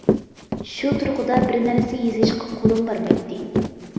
شۇ تۇرقىدا بىر نەرسە يېزىشقا قۇلۇم بارمايتتى.